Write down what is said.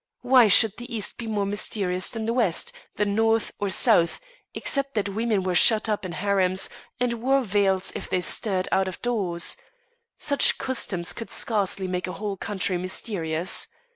Why should the East be more mysterious than the West, or North, or South, except that women were shut up in harems and wore veils if they stirred out of doors? Such customs could scarcely make a whole country mysterious.